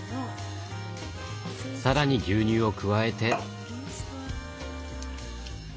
更に牛乳を加えて。